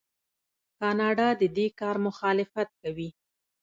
کاناډا د دې کار مخالفت کوي.